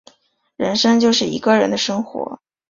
人生就是一个人的生活